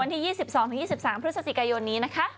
ที่๒๒๒๓พฤศจิกายนนี้นะคะ